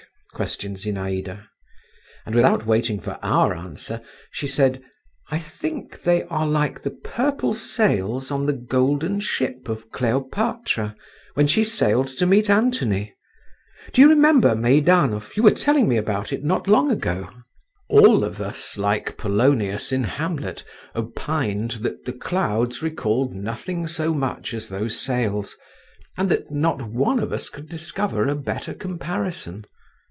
questioned Zinaïda; and without waiting for our answer, she said, "I think they are like the purple sails on the golden ship of Cleopatra, when she sailed to meet Antony. Do you remember, Meidanov, you were telling me about it not long ago?" All of us, like Polonius in Hamlet, opined that the clouds recalled nothing so much as those sails, and that not one of us could discover a better comparison.